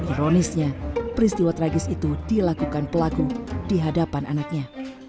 ironisnya peristiwa tragis itu dilakukan pelaku di hadapan anaknya